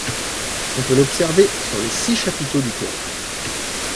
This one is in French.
On peut l'observer sur les six chapiteaux du chœur.